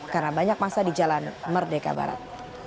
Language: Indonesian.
karena banyak masa di jalan merdeka barat